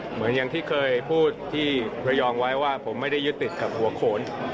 เหมือนอย่างที่เคยพูดที่ระยองไว้ว่าผมไม่ได้ยึดติดกับหัวโขน